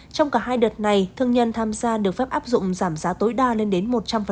trong cả hai đợt này thương nhân tham gia được phép áp dụng giảm giá tối đa lên đến một trăm linh